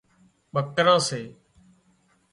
ٻڪران سي